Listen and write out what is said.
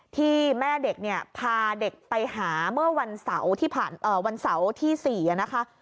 ที่แม่เด็กพาเด็กไปหาเมื่อวันเสาร์ที่๔นะคะ